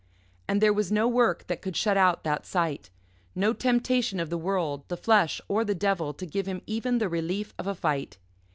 And there was no work that could shut out that sight no temptation of the world, the flesh, or the devil to give him even the relief of a fight.